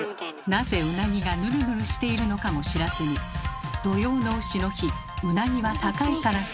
なぜウナギがヌルヌルしているのかも知らずに土用の丑の日うなぎは高いからと。